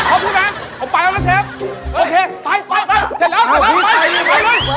โอเคไปเสร็จแล้วไปไปเลยไปละ